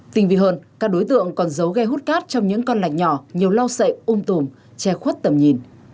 tình vị hơn các đối tượng còn giấu ghe hút cát trong những con lạch nhỏ nhiều lau sậy ôm tùm che khuất tầm nhìn